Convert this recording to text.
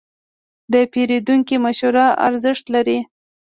د پیرودونکي مشوره ارزښت لري.